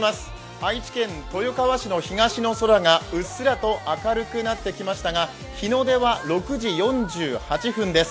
愛知県豊川市の東の空がうっすらと明るくなってきましたが、日の出は６時４８分です。